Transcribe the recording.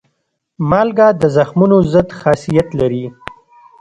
مالګه د زخمونو ضد خاصیت لري.